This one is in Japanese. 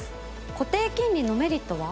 固定金利のメリットは？